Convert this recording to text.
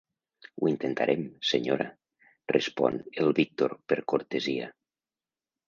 Ho intentarem, senyora —respon el Víctor per cortesia.